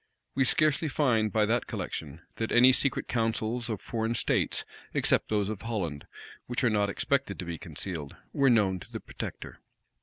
We scarcely find by that collection, that any secret counsels of foreign states, except those of Holland, which are not expected to be concealed, were known to the protector.